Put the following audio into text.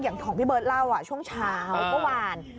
อย่างที่พี่เบิร์ดเล่าช่องเช้าเมื่อวาน